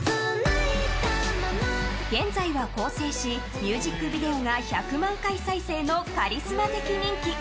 現在は更生しミュージックビデオが１００万回再生のカリスマ的人気。